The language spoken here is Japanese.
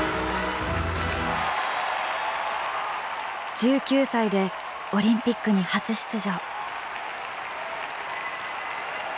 １９歳でオリンピックに初出場。